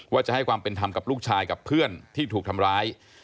ว่าจะให้ความเป็นธรรมกับลูกชายกับเพื่อนที่ถูกทำร้าย